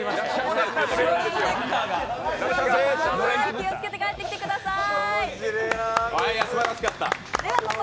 気をつけて帰ってきてください。